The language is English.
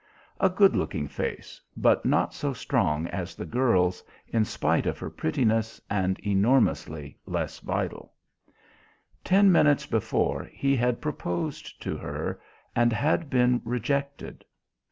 A good looking face, but not so strong as the girl's in spite of her prettiness, and enormously less vital. Ten minutes before he had proposed to her and had been rejected.